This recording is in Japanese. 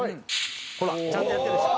ほらちゃんとやってるでしょ？